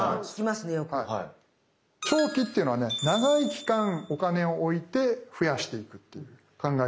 長期っていうのがね長い期間お金を置いて増やしていくっていう考え方で。